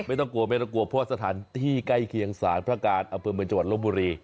ไม่ต้องกลัวเพราะว่าสถานที่ใกล้เคียงศาลพระการอมจลบบุรี